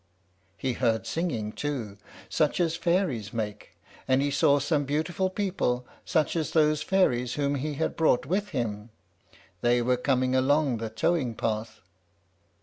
He heard singing, too, such as fairies make; and he saw some beautiful people, such as those fairies whom he had brought with him. They were coming along the towing path.